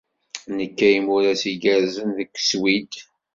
Nekka imuras igerrzen deg Sswid.